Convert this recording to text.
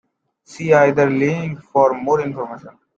See either link for more information.